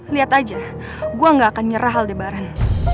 lihat aja gue gak akan nyerah aldebaran